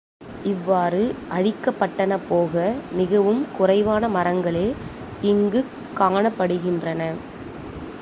இவ்வாறு அழிக்கப்பட்டன போக மிகவும் குறைவான மரங்களே இங்குக் காணப்படுகின்றன.